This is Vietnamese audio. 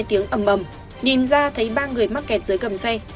tiếng ấm ấm nìm ra thấy ba người mắc kẹt dưới gầm xe